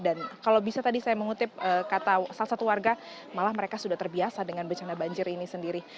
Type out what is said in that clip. dan kalau bisa tadi saya mengutip kata salah satu warga malah mereka sudah terbiasa dengan bencana banjir ini sendiri